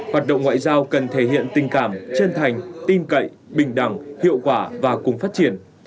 hoạt động ngoại giao cần thể hiện tình cảm chân thành tin cậy bình đẳng hiệu quả và cùng phát triển